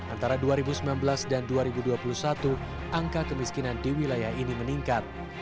antara dua ribu sembilan belas dan dua ribu dua puluh satu angka kemiskinan di wilayah ini meningkat